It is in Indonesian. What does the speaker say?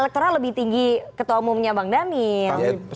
elektoral lebih tinggi ketua umumnya bang daniel